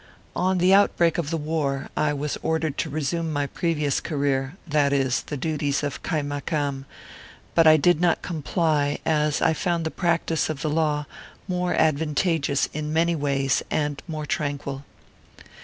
On the outbreak of the war, I was ordered to resume my previous career, that is, the duties of Kaimakam, but I did not comply, as I found the practice of the law more advantageous in many ways and more tranquil.